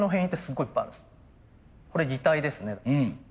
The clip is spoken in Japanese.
これ擬態ですね。